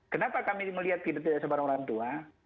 kenapa kami melihat ketidaksabaran orang tua